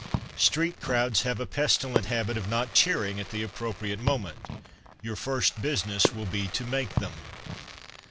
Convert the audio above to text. Street crowds have a pestilent habit of not cheering at the appro priate moment ; your first business will be to make them.